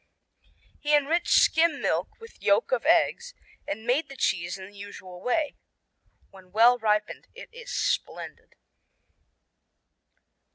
He enriched skim milk with yolk of eggs and made the cheese in the usual way. When well ripened it is splendid.